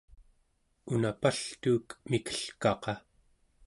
una paltuuk mikelkaqa